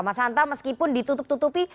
mas hanta meskipun ditutup tutupi